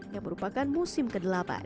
yang merupakan musim ke delapan